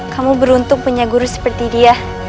kamu beruntung punya guru seperti dia